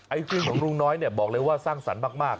เครื่องของลุงน้อยเนี่ยบอกเลยว่าสร้างสรรค์มาก